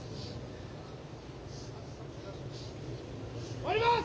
終わります！